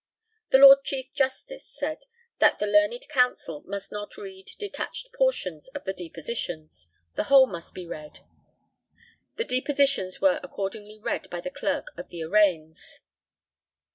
The LORD CHIEF JUSTICE said, that the learned counsel must not read detached portions of the depositions the whole must be read. (The depositions were accordingly read by the Clerk of the Arraigns.)